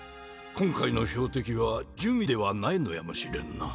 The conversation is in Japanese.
今回の標的は珠魅ではないのやもしれんな。